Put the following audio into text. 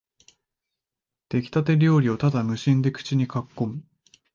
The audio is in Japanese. できたて料理をただ無心で口にかっこむ